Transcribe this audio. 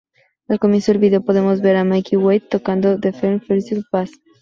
Al comienzo del video, podemos ver a Mikey Way tocando un Fender Precision Bass.